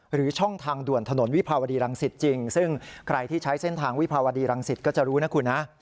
ช่องทางด่วนถนนวิภาวดีรังสิตจริงซึ่งใครที่ใช้เส้นทางวิภาวดีรังสิตก็จะรู้นะคุณนะ